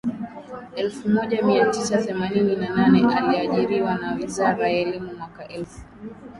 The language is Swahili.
elfu moja mia tisa themanini na nane aliajiriwa na wizara ya elimu Mwaka elfu